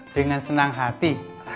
dengan senang hati